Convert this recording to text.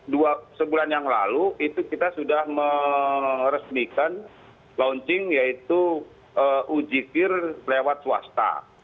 dua sebulan yang lalu itu kita sudah meresmikan launching yaitu ujikir lewat swasta